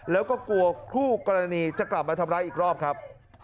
แล้วก็กลัวคู่กรณีจะกลับมาทำร้ายอีกรอบครับ